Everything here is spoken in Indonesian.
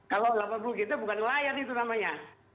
kalau delapan puluh gt bukan nelayan itu namanya